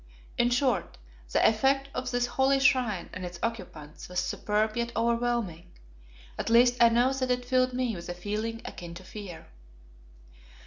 In short, the effect of this holy shrine and its occupants was superb yet overwhelming, at least I know that it filled me with a feeling akin to fear.